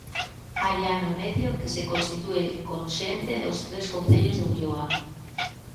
Hai ano e medio que se constitúe con xente dos tres concellos da Ulloa.